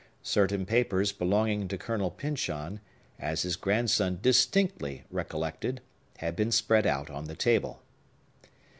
Certain papers belonging to Colonel Pyncheon, as his grandson distinctly recollected, had been spread out on the table.